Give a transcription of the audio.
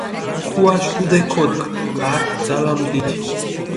ქუაშ ჸუდე ქოდგჷ ართი ძალამ დიდი.